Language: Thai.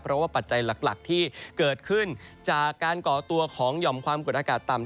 เพราะว่าปัจจัยหลักที่เกิดขึ้นจากการก่อตัวของหย่อมความกดอากาศต่ำ